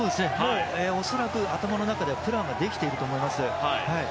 恐らく頭の中ではプランができていると思います。